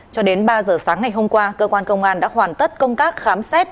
cho đến ba giờ sáng ngày hôm qua cơ quan công an đã hoàn tất công tác khám xét